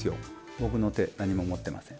僕の手何も持ってません。